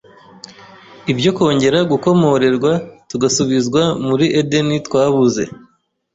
ibyo kongera gukomorerwa tugasubizwa muri Edeni twabuze.